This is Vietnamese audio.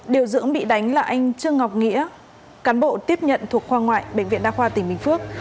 điều dưỡng bị đánh là anh trương ngọc nghĩa cán bộ tiếp nhận thuộc khoa ngoại bệnh viện đa khoa tỉnh bình phước